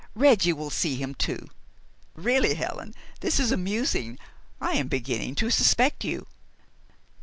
Reggie will see him too. Really, Helen, this is amusing. I am beginning to suspect you."